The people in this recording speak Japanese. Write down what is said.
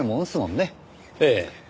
ええ。